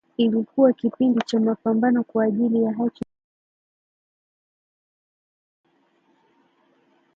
ilikuwa kipindi cha mapambano kwa ajili ya haki za watu